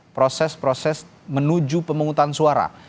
proses proses menuju pemungutan suara